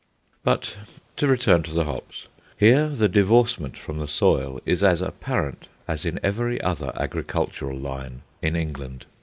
But to return to the hops. Here the divorcement from the soil is as apparent as in every other agricultural line in England.